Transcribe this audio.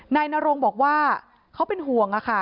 นายนรงบอกว่าเขาเป็นห่วงค่ะ